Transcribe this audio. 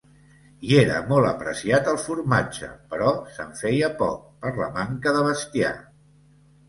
Hi era molt apreciat el formatge, però se'n feia poc, per la manca de bestiar.